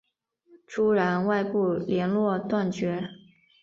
朱然外部连络断绝。